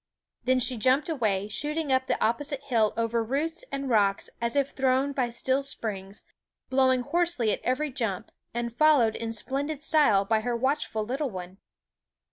Then she jumped away, shooting up the opposite hill over roots and rocks as if thrown by steel springs, blowing hoarsely at every jump, and followed in splendid style by her watchful little one.